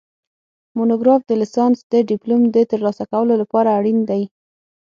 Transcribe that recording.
مونوګراف د لیسانس د ډیپلوم د ترلاسه کولو لپاره اړین دی